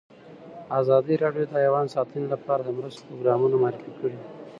ازادي راډیو د حیوان ساتنه لپاره د مرستو پروګرامونه معرفي کړي.